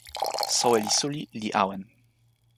soweli suli li awen.